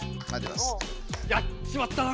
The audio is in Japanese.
やっちまったな！